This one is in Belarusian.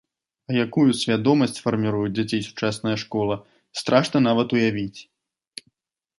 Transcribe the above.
А якую свядомасць фарміруе ў дзяцей сучасная школа, страшна нават уявіць.